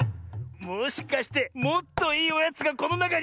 もしかしてもっといいおやつがこのなかに。